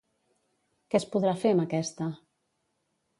Què es podrà fer amb aquesta?